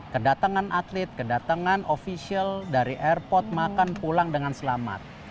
kedatangan atlet kedatangan ofisial dari airport makan pulang dengan selamat